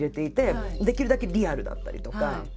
できるだけリアルだったりとか。